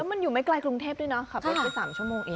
มันอยู่ไม่ไกลกรุงเทพด้วยเนาะขับรถไป๓ชั่วโมงเอง